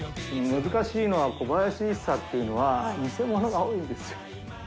難しいのは、小林一茶っていうのは、偽物が多いんですよ。